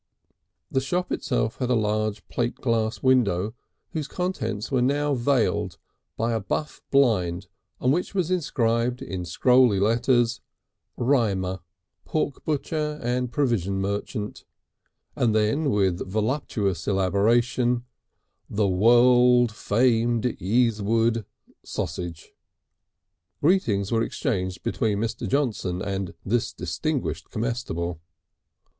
The shop itself had a large plate glass window whose contents were now veiled by a buff blind on which was inscribed in scrolly letters: "Rymer, Pork Butcher and Provision Merchant," and then with voluptuous elaboration: "The World Famed Easewood Sausage." Greetings were exchanged between Mr. Johnson and this distinguished comestible.